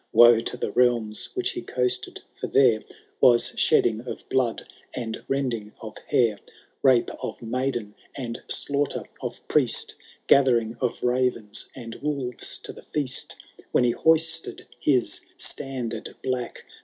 Woe to the realms which he coasted I for there Was shedding of blood, and rending of hair, Rape of maiden, and daughter of priest. Gathering of ravens and wolves to the feast : When he hoisted his standard black.